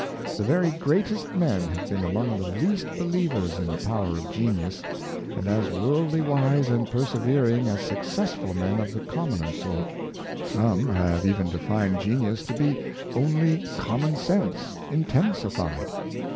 The very greatest men have been among the least believers in the power of genius, and as worldly wise and persevering as successful men of the commoner sort. Some have even defined genius to be only common sense intensified.